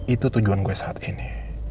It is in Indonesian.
itu tujuan gue saat ini